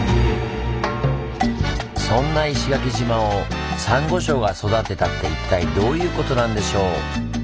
そんな石垣島をサンゴ礁が育てたって一体どういうことなんでしょう？